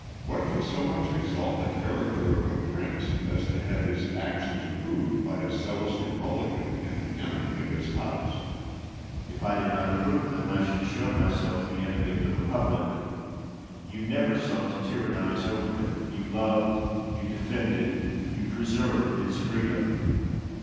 What can so much exalt the character of a prince as to have his actions approved by a zealous Republican and the enemy of his house? De Witt. If I did not approve them I should show myself the enemy of the Republic. You never sought to tyrannise over it; you loved, you defended, you preserved its freedom.